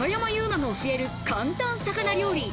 馬が教える簡単魚料理。